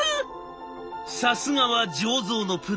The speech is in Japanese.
さすがは醸造のプロ。